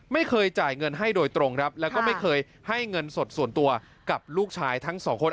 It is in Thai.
ไม่เคยจ่ายเงินให้โดยตรงครับแล้วก็ไม่เคยให้เงินสดส่วนตัวกับลูกชายทั้งสองคน